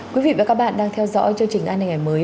quý vị và các bạn đang theo dõi chương trình an hình ảnh mới